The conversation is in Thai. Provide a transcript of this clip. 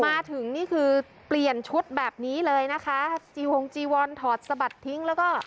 มาถึงนี่คือเปลี่ยนชุดแบบนี้เลยนะคะจีวงจีวอนถอดสะบัดทิ้งแล้วก็